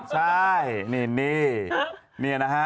ใช่นี่